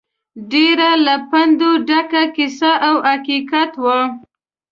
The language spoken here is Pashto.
ډېره له پنده ډکه کیسه او حقیقت وه.